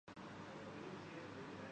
آپ کو پسینہ آرہا ہے